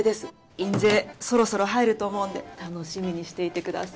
印税そろそろ入ると思うんで楽しみにしていてください。